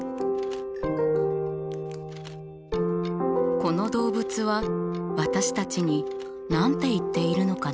この動物は私たちに何て言っているのかな？